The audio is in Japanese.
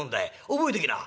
覚えときな」。